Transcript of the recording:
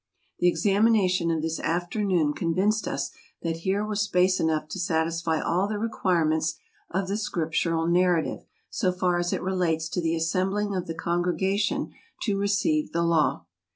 The examination of this afternoon convinced us that here was space enough to satisfy all the requi¬ sitions of the Scriptural narrative, so far as it relates to the assembling of the congregation to receive the Law.